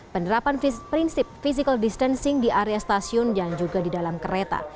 penerapan prinsip physical distancing di area stasiun dan juga di dalam kereta